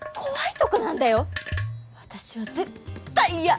私は絶対嫌！